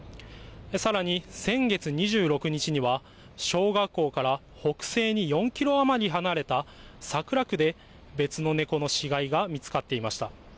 さらに、先月２６日には小学校から北西に４キロ余り離れた、桜区で、別の猫の死骸が見つかっていました。